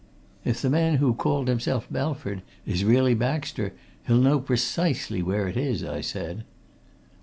"If the man who called himself Belford is really Baxter, he'll know precisely where it is," I said.